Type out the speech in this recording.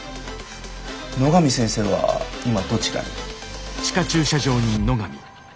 野上先生は今どちらに？